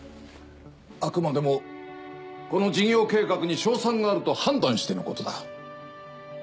あくまでもこの事業計画に勝算があると判断してのことだ。